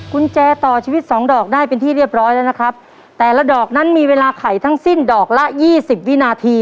กุญแจต่อชีวิตสองดอกได้เป็นที่เรียบร้อยแล้วนะครับแต่ละดอกนั้นมีเวลาไขทั้งสิ้นดอกละยี่สิบวินาที